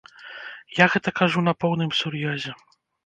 Я гэта кажу на поўным сур'ёзе.